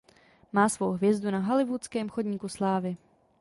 Má svou hvězdu na hollywoodském chodníku slávy.